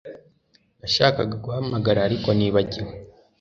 Nashakaga guhamagara ariko nibagiwe